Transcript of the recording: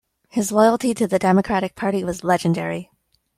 His loyalty to the Democratic Party was legendary.